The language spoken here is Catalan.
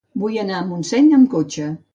Vull anar a Montseny amb cotxe.